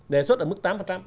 đề xuất ở mức tám